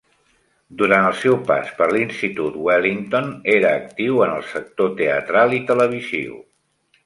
Durant el seu pas per l'institut Wellington, era actiu en el sector teatral i televisiu.